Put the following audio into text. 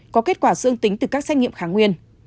có kết quả dương tính từ các xét nghiệm kháng nguyên